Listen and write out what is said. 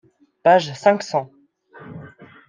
Page cinq cents.